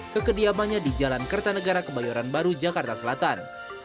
ke kediamannya di jalan kertanegara kebayoran baru jakarta selatan